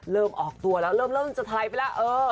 เริ่มออกตัวแล้วเริ่มจะไทล์ไปแล้ว